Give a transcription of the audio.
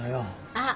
あっ。